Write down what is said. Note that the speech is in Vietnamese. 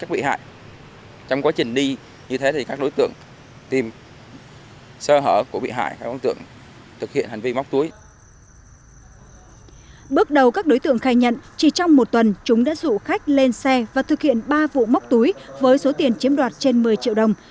bước đầu các đối tượng khai nhận chỉ trong một tuần chúng đã rủ khách lên xe và thực hiện ba vụ móc túi với số tiền chiếm đoạt trên một mươi triệu đồng